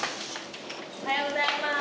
おはようございます。